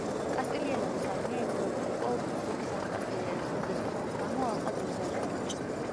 კასტილიელების არმია იძულებული იყო უფლისწულ ხუან კასტილიელის დეზერტირობის გამო ალყა დროზე ადრე მოეხსნა.